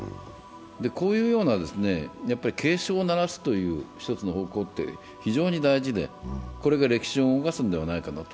こういうような警鐘を鳴らすという１つの方向って非常に大事でこれが歴史を動かすんではなっかなと。